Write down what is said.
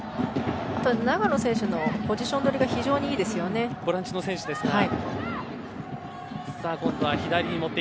長野選手のポジション取りが非常にいいですね。